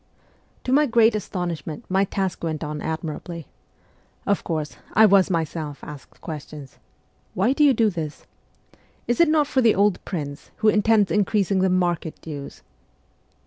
To my great astonishment my task went on admirably. Of course, I was myself asked questions :' Why do you do this ?'' Is it not for the old prince, who intends increasing the market dues